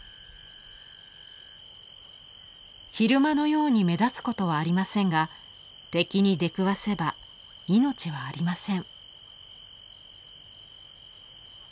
昼間のように目立つことはありませんが敵に出くわせば命はありません。